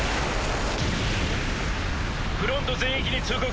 フロント全域に通告。